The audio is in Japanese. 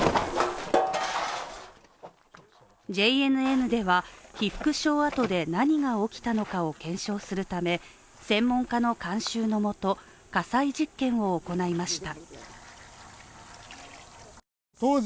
ＪＮＮでは被服廠跡で何が起きたのかを検証するため、専門家の監修のもと、火災実験を行いました。